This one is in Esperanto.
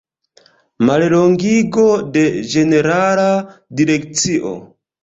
Mallongigo de Ĝenerala Direkcio.